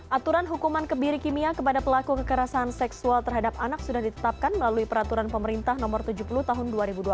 aturan hukuman kebiri kimia kepada pelaku kekerasan seksual terhadap anak sudah ditetapkan melalui peraturan pemerintah no tujuh puluh tahun dua ribu dua puluh